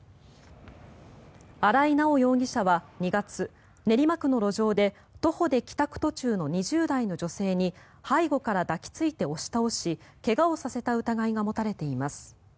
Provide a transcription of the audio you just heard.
荒井直容疑者は２月練馬区の路上で徒歩で帰宅途中の２０代の女性に背後から抱きついて押し倒し怪我をさせた疑いが持たれています。